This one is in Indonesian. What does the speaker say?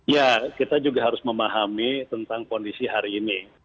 ya kita juga harus memahami tentang kondisi hari ini